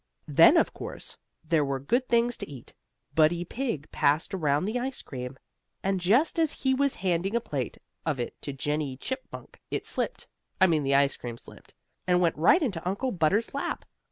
Then, of course, there were good things to eat. Buddy Pigg passed around the ice cream, and just as he was handing a plate of it to Jennie Chipmunk it slipped I mean the ice cream slipped and went right into Uncle Butter's lap.